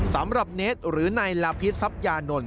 สำหรับเน็ตหรือนายลาพิสัพยานล